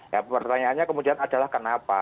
ya pertanyaannya kemudian adalah kenapa